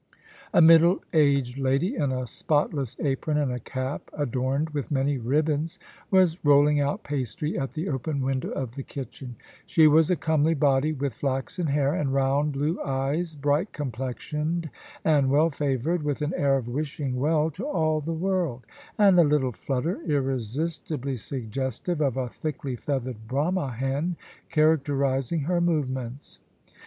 A middle aged lady, in a spotless apron and a cap adorned with many ribbons, was rolling out pastry at the open window of the kitchea She was a comely body with flaxen hair and round blue eyes, bright complexioned and well favoured, with an air of wishing well to all the world, and a little flutter irresistibly suggestive of a thickly feathered Brahma hen, characterising her movements.